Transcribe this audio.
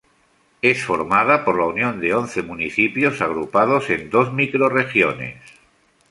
Es formada por la unión de once municipios agrupados en dos microrregiones.